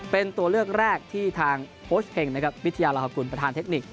เป็นตัวเลือกแรกที่ทางโค้ชเฮงนะครับวิทยาลาฮกุลประธานเทคนิค